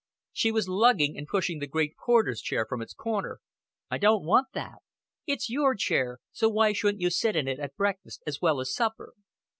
She was lugging and pushing the great porter's chair from its corner. "I don't want that." "It's your chair, so why shouldn't you sit in it at breakfast as well as supper?"